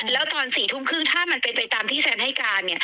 แล้วตอน๔ทุ่มครึ่งถ้ามันเป็นไปตามที่แซนให้การ